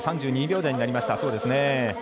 ３２秒台になりました。